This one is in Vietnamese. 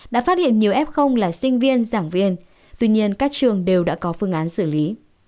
đã phát hiện nhiều f là sinh viên giảng viên tuy nhiên các trường đều đã có phương án xử lý